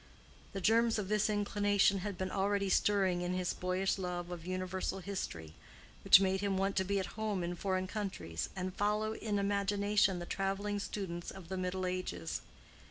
The germs of this inclination had been already stirring in his boyish love of universal history, which made him want to be at home in foreign countries, and follow in imagination the traveling students of the middle ages.